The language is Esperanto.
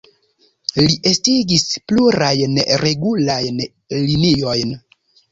Li estigis plurajn regulajn liniojn.